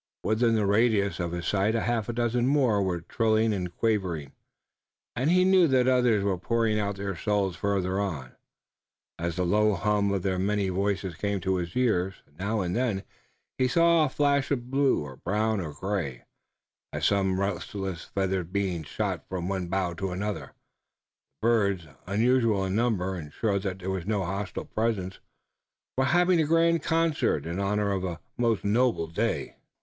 Within the radius of his sight a half dozen more were trilling and quavering, and he knew that others were pouring out their souls farther on, as the low hum of their many voices came to his ears. Now and then he saw a flash of blue or brown or gray, as some restless feathered being shot from one bough to another. The birds, unusual in number and sure that there was no hostile presence, were having a grand concert in honor of a most noble day.